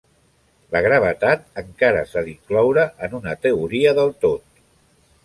La gravetat encara s'ha d'incloure en una teoria del tot.